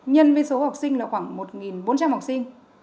nhân với số học sinh là khoảng một bốn trăm linh học sinh